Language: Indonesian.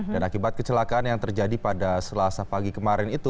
dan akibat kecelakaan yang terjadi pada selasa pagi kemarin itu